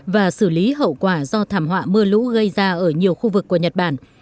và xử lý hậu quả do thảm họa mưa lũ gây ra ở nhật bản